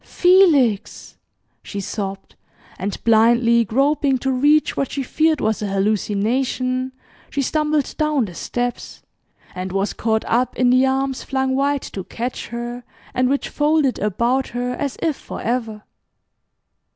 "Felix," she sobbed, and, blindly groping to reach what she feared was a hallucination, she stumbled down the steps, and was caught up in the arms flung wide to catch her, and which folded about her as if forever.